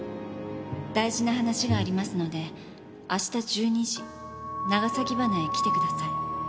「大事な話がありますので明日１２時長崎鼻へ来て下さい」